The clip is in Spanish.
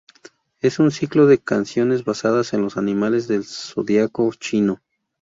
Es un ciclo de canciones basadas en los animales del Zodíaco chino.